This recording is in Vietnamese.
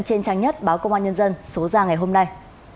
trên trang nhất báo công an nhân dân số ra ngày hôm nay